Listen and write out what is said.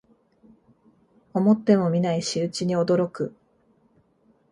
思ってもみない仕打ちに驚く